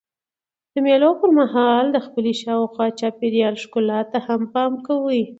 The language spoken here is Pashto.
د مېلو پر مهال خلک د خپلي شاوخوا چاپېریال ښکلا ته هم پام کوي.